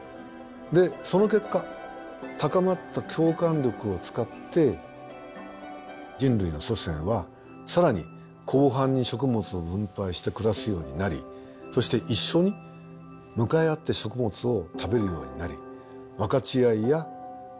その結果高まった共感力を使って人類の祖先は更に広範に食物を分配して暮らすようになりそして一緒に向かい合って食物を食べるようになり分かち合いや平等といった